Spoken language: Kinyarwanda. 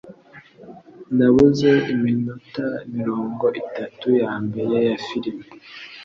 Nabuze iminota mirongo itatu yambere ya firime.